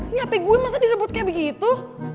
ini api gue masa direbut kayak begitu